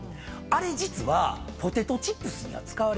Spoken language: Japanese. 実はポテトチップスには使われないんです。